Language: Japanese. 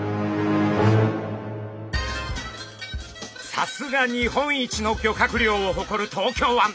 さすが日本一の漁獲量をほこる東京湾。